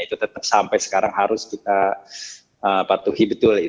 itu tetap sampai sekarang harus kita patuhi betul